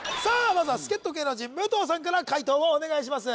まずは助っ人芸能人武藤さんから解答をお願いします